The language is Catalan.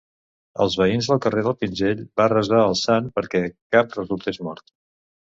Els veïns del carrer del Pinzell va resar al sant perquè cap resultés mort.